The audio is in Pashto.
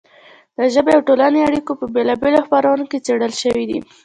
د ژبې او ټولنې اړیکې په بېلا بېلو خپرونو کې څېړل شوې دي.